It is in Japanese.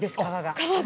皮が。